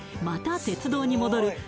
また鉄道に戻る